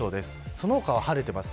その他は晴れています。